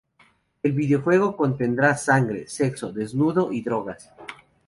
El videojuego contendrá sangre, sexo, desnudos y drogas.